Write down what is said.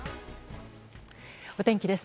お天気です。